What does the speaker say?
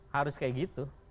harus kayak gitu